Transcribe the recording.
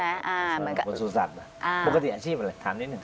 เป็นประสุทธิ์ปกติอาชีพอะไรถามนิดหนึ่ง